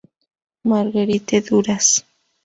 Marguerite Duras.